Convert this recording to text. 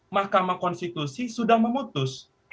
mahkamah konstitusi sudah memutus